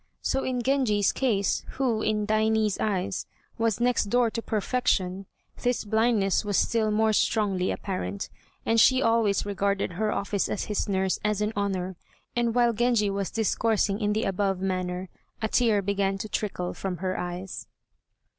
So in Genji's case, who, in Daini's eyes, was next door to perfection, this blindness was still more strongly apparent, and she always regarded her office as his nurse, as an honor, and while Genji was discoursing in the above manner, a tear began to trickle from her eyes.